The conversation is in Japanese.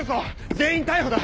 全員逮捕だ！